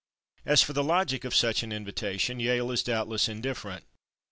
As for the logic of such an invitation, Yale is doubtless indifferent.